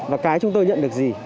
và cái chúng tôi nhận được gì